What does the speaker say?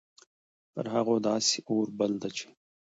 پر هغو داسي اور بل ده چې